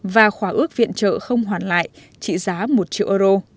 và khóa ước viện trợ không hoàn lại trị giá một triệu euro